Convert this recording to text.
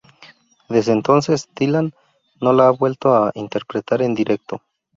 Desde entonces, Dylan no la ha vuelto a interpretar en directo.